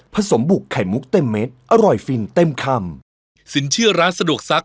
สมบุกไข่มุกเต็มเม็ดอร่อยฟินเต็มคำสินเชื่อร้านสะดวกซัก